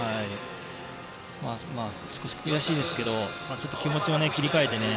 少し悔しいですが気持ちを切り替えて。